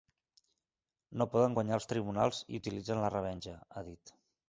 No poden guanyar als tribunals i utilitzen la revenja, ha dit.